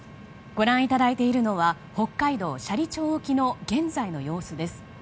ご覧いただいているのは北海道斜里町沖の現在の様子です。